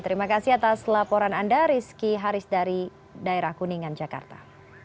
terima kasih atas laporan anda rizky haris dari daerah kuningan jakarta